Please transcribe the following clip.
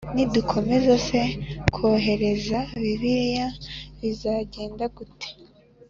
nidukomeza se kohereza biriya bizagenda gute